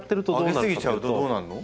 あげ過ぎちゃうとどうなるの？